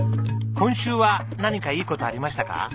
今週は何かいい事ありましたか？